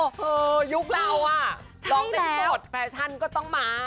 คือยุคเราอ่ะร้องได้หมดแฟชั่นก็ต้องมา